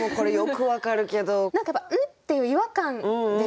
何かやっぱ「ん？」っていう違和感ですよね。